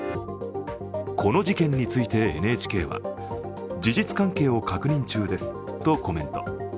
この事件についてＮＨＫは、事実関係を確認中ですとコメント。